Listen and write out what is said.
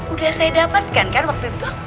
udah saya dapatkan kan waktu itu